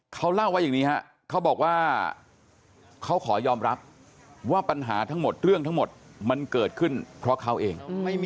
เขาเล่าว่าอย่างนี้ฮะเขาบอกว่าเขาขอยอมรับว่าปัญหาทั้งหมดเรื่องทั้งหมดมันเกิดขึ้นเพราะเขาเอง